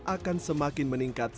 akan semakin meningkat